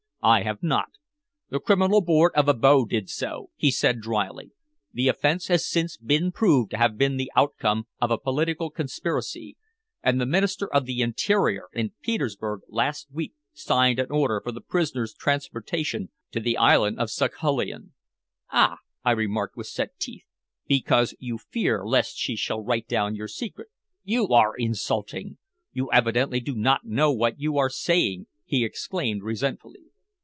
"I have not. The Criminal Court of Abo did so," he said dryly. "The offense has since been proved to have been the outcome of a political conspiracy, and the Minister of the Interior in Petersburg last week signed an order for the prisoner's transportation to the island of Saghalien." "Ah!" I remarked with set teeth. "Because you fear lest she shall write down your secret." "You are insulting! You evidently do not know what you are saying," he exclaimed resentfully.